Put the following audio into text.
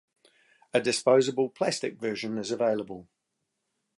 A disposable plastic version is available.